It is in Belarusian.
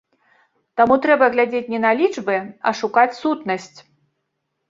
Таму трэба глядзець не на лічбы, а шукаць сутнасць.